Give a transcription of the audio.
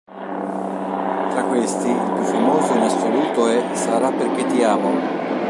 Tra questi il più famoso in assoluto è "Sarà perché ti amo".